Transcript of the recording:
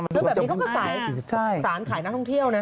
คือแบบนี้เขาก็สารขายนักท่องเที่ยวนะ